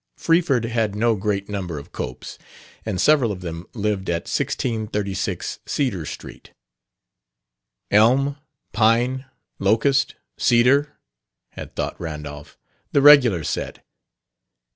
Freeford had no great number of Copes, and several of them lived at 1636 Cedar Street. "Elm, Pine, Locust, Cedar," had thought Randolph; "the regular set."